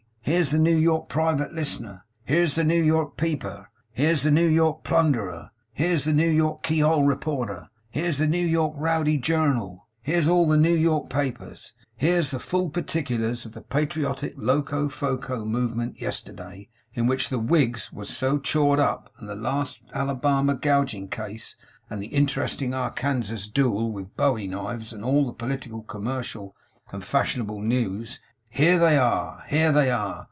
Here's the New York Private Listener! Here's the New York Peeper! Here's the New York Plunderer! Here's the New York Keyhole Reporter! Here's the New York Rowdy Journal! Here's all the New York papers! Here's full particulars of the patriotic locofoco movement yesterday, in which the whigs was so chawed up; and the last Alabama gouging case; and the interesting Arkansas dooel with Bowie knives; and all the Political, Commercial, and Fashionable News. Here they are! Here they are!